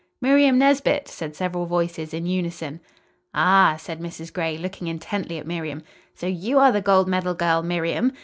"Miriam Nesbit," said several voices in unison. "Ah!" said Mrs. Gray, looking intently at Miriam. "So you are the gold medal girl, Miriam?